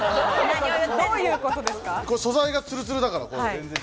素材がツルツルだから。